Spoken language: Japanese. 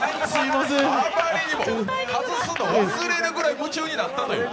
あまりにも外すの忘れるぐらい、夢中になってしまったと。